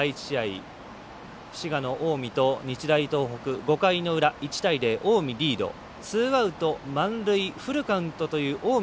甲子園では、第１試合滋賀、近江と日大東北５回の裏、１対０で近江リードツーアウト、満塁フルカウント近江